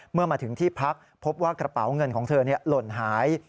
เมื่อมาถึงที่พักพบว่ากระเป๋าเงินของเธอหล่นหาย